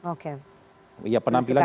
oke ya penampilan